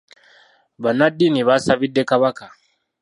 Bannaddiini baasabidde Kabaka.